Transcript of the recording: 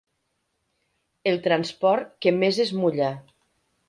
El transport que més es mulla.